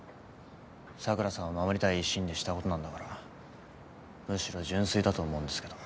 桜さんを守りたい一心でしたことなんだからむしろ純粋だと思うんですけど。